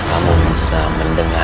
sambil membaca mantra